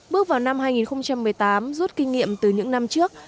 bước vào năm hai nghìn một mươi tám rút kinh nghiệm từ những năm trước